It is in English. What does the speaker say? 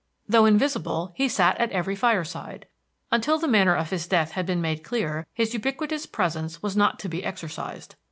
Though invisible, he sat at every fireside. Until the manner of his death had been made clear, his ubiquitous presence was not to be exorcised.